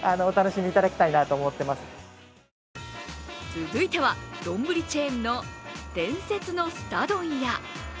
続いては、丼チェーンの伝説のすた丼屋。